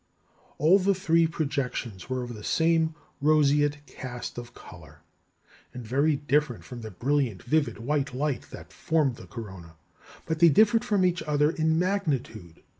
All the three projections were of the same roseate cast of colour, and very different from the brilliant vivid white light that formed the corona; but they differed from each other in magnitude....